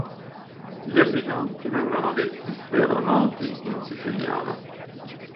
Gli abitanti vengono detti "speronoti" in Siciliano.